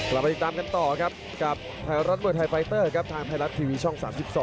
เราไปติดตามกันต่อครับกับไทยรัฐมวยไทยไฟเตอร์ครับทางไทยรัฐทีวีช่อง๓๒